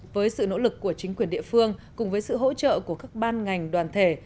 với sự nỗ lực của chính quyền địa phương cùng với sự hỗ trợ của các ban ngành đoàn thể